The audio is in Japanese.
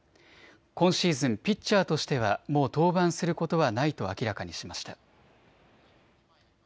今シーズン、ピッチャーとしてはもう登板することはないと明らかにしました。